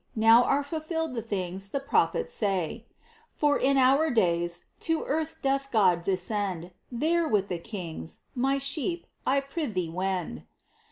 Now are fulfilled the things The prophets say : For in our days, to earth Doth God descend ; There, with the Kings, my sheep, I prithee wend.